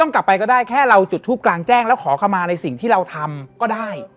กลับไปก็ได้แค่เราจุดทูปกลางแจ้งแล้วขอเข้ามาในสิ่งที่เราทำก็ได้